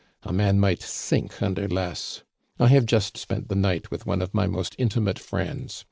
A man might sink under less! I have just spent the night with one of my most intimate friends.